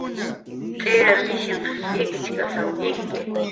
Tz'irar mishinhq ikichkasw ikki